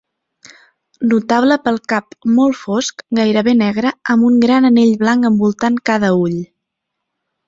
Notable pel cap molt fosc, gairebé negre, amb un gran anell blanc envoltant cada ull.